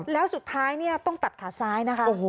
แล้วสุดท้ายเนี่ยต้องตัดขาซ้ายนะคะ